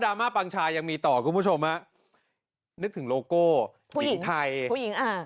มาปังชายังมีต่อคุณผู้ชมฮะนึกถึงโลโก้หญิงไทยผู้หญิงอ่ะ